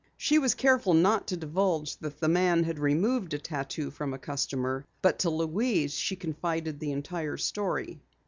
She was careful not to divulge that the man had removed a tattoo from a customer, but to Louise she confided the entire story.